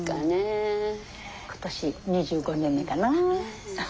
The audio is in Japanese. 今年２５年目かな。